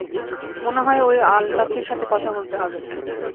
মনে হয় ওই আলতাফের সাথে কথা বলতে হবে।